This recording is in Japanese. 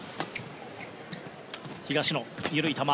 東野、緩い球。